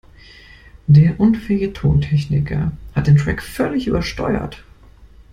Der unfähige Tontechniker hat den Track völlig übersteuert.